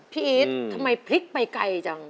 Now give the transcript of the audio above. อีททำไมพลิกไปไกลจัง